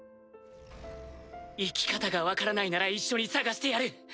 生き方が分からないなら一緒に探してやる。